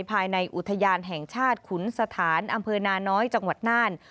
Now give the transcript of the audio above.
ภายในอุทยานแห่งชาติขุนสถานอำเภอนาน้อยจังหวัดน่าน